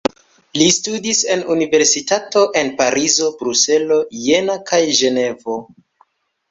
Li studis en universitatoj en Parizo, Bruselo, Jena kaj Ĝenevo.